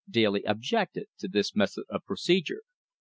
Daly objected to this method of procedure.